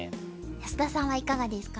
安田さんはいかがですか？